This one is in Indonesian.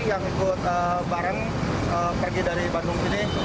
yang ikut bareng pergi dari bandung sini